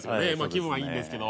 気分はいいんですけど。